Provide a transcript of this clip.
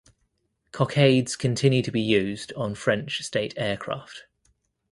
Cockades continue to be used on French state aircraft.